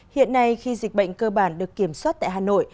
hiện nay khi dịch bệnh cơ bản được kiểm soát tại hà nội